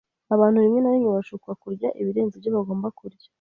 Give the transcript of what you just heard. Abantu rimwe na rimwe bashukwa kurya ibirenze ibyo bagomba kurya.